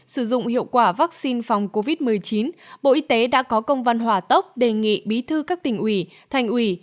sử dụng hiệu quả vaccine phòng covid một mươi chín bộ y tế đã có công văn hòa tốc đề nghị bí thư các tỉnh ủy